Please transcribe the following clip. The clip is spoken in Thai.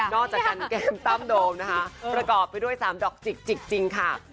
อกจากการแก้มตั้มโดมนะคะประกอบไปด้วย๓ดอกจิกจิกจริงค่ะ